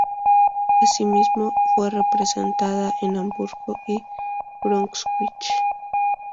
Así mismo fue representada en Hamburgo y Brunswick.